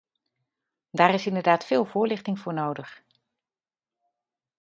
Daar is inderdaad veel voorlichting voor nodig.